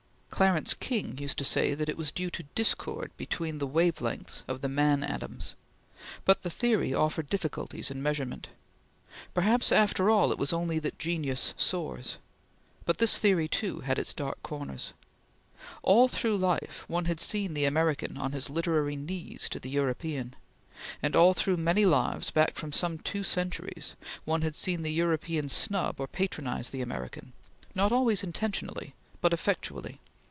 Clarence King used to say that it was due to discord between the wave lengths of the man atoms; but the theory offered difficulties in measurement. Perhaps, after all, it was only that genius soars; but this theory, too, had its dark corners. All through life, one had seen the American on his literary knees to the European; and all through many lives back for some two centuries, one had seen the European snub or patronize the American; not always intentionally, but effectually.